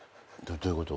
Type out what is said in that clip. どういうこと？